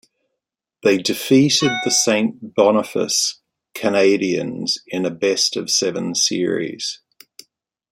They defeated the Saint Boniface Canadiens in a best-of-seven series.